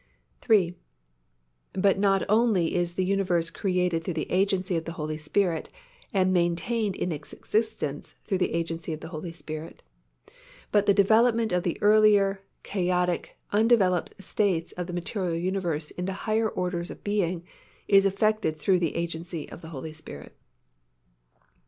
III. But not only is the universe created through the agency of the Holy Spirit and maintained in its existence through the agency of the Holy Spirit, but _the development of the earlier, chaotic, undeveloped states of the material universe into higher orders of being is effected through the agency of the Holy Spirit_.